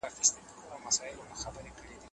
پولیټیکس اصطلاح له یوناني ژبي څخه اخیستل سوې ده.